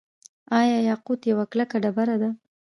آیا یاقوت یوه کلکه ډبره ده؟